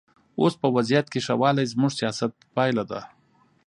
اوس په وضعیت کې ښه والی زموږ سیاست پایله ده.